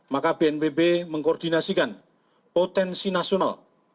maka bnpb mengkoordinasikan potensi nasional